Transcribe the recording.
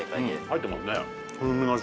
入ってますね。